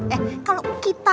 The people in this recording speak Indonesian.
eh kalau kita